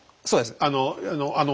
そうです。